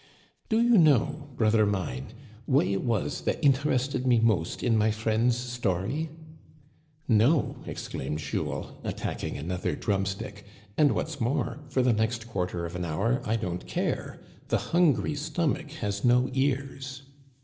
" Do you know, brother mine, what it was that inter ested me most in my friend's story ?" "No," exclaimed Jules, attacking another drum stick; "and what's more, for the next quarter of an hour I don't care. The hungry stomach has no ears."